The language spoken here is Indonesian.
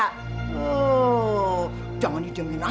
tuh jangan dijaminkan aja